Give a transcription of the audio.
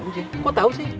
om jin kok tau sih